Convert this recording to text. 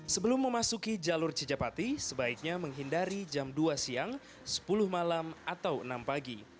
sebelum memasuki jalur cijapati sebaiknya menghindari jam dua siang sepuluh malam atau enam pagi